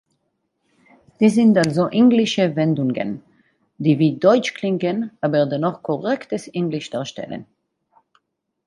Dies sind also englische Wendungen, die wie deutsch klingen aber dennoch korrektes Englisch darstellen.